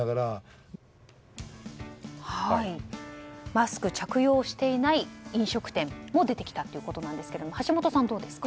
マスク着用をしていない飲食店も出てきたということですが橋下さん、どうですか？